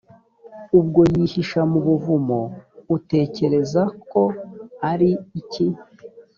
ubwo yihisha mu buvumo utekereza ko ari iki ?